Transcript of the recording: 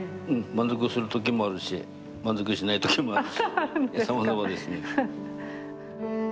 満足する時もあるし満足しない時もあるしさまざまですね。